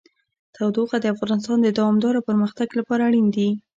تودوخه د افغانستان د دوامداره پرمختګ لپاره اړین دي.